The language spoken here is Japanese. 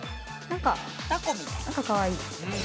なんかかわいい。